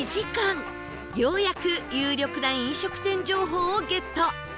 ようやく有力な飲食店情報をゲット！